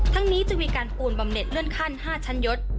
นี้จะมีการปูนบำเน็ตเลื่อนขั้น๕ชั้นยศ